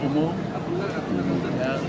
termasuk gigi dan kandungan